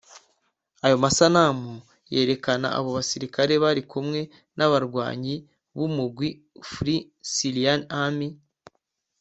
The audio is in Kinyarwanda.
Ayo masanamu yerekana abo basirikare bari kumwe n'abarwanyi b'umugwi Free Syrian Army